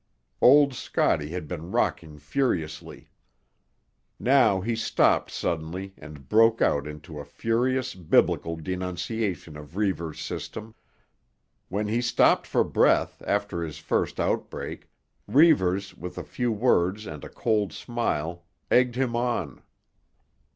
Old Scotty had been rocking furiously. Now he stopped suddenly and broke out into a furious Biblical denunciation of Reivers' system. When he stopped for breath after his first outbreak, Reivers with a few words and a cold smile egged him on.